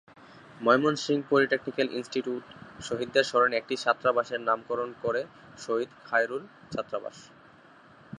Mymensingh polytechnic institute শহীদের স্মরণে একটি ছাত্রাবাসের নামকরণ করে শহীদ খায়রুল ছাত্রাবাস।